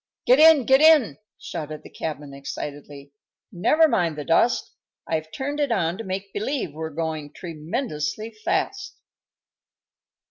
"Get in! Get in!" shouted the cabman, excitedly. "Never mind the dust; I've turned it on to make believe we're going tremendously fast."